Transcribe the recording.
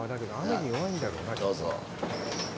どうぞ。